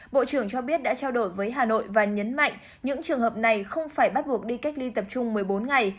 bộ trưởng cho biết đã trao đổi với hà nội và nhấn mạnh những trường hợp này không phải bắt buộc đi cách ly tập trung một mươi bốn ngày